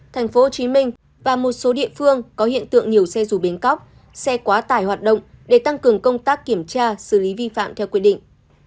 thành phố hồ chí minh và một số địa phương có hiện tượng nhiều xe rủ bến cóc xe quá tải hoạt động để tăng cường công tác kiểm tra xử lý vi phạm theo quy định